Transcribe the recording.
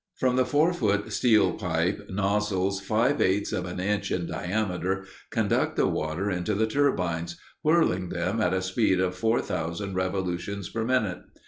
From the four foot steel pipe, nozzles five eighths of an inch in diameter conduct the water into the turbines, whirling them at a speed of four thousand revolutions per minute.